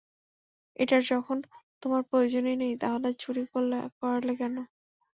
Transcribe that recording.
এটার যখন তোমার প্রয়োজনই নেই তাহলে চুরি করালে কেন?